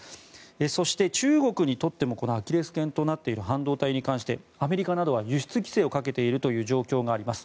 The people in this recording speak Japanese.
そして、中国にとってもアキレス腱となっている半導体に関してアメリカなどは、輸出規制をかけている状況があります。